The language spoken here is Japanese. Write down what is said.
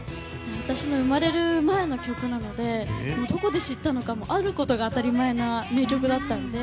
私の生まれる前の曲なのでどこで知ったのかあることが当たり前の名曲だったので。